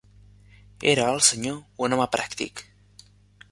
Era el senyor un home pràctic